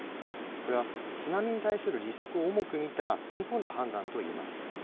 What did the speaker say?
これは津波に対するリスクを重く見た踏み込んだ判断と言えます。